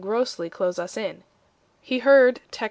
grossly close us in 1 ." He heard to ;UX